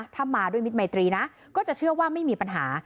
ถ้ามาด้วยมิตรมัยตรีนะก็จะเชื่อว่าไม่มีปัญหา